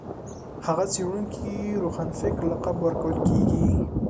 هغه څېړونکي روښانفکر لقب ورکول کېږي